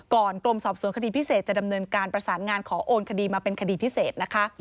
กรมสอบสวนคดีพิเศษจะดำเนินการประสานงานขอโอนคดีมาเป็นคดีพิเศษนะคะ